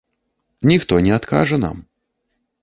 Ніхто не адкажа нам.